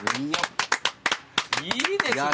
いいですね。